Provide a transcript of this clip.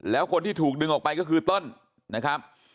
แล้วคนที่ถูกดึงออกไปก็คือเติ้ลนะครับ